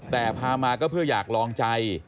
แต่พามาก็เพื่ออยากลองใจ